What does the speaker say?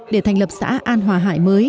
để thành lập xã an hòa hải mới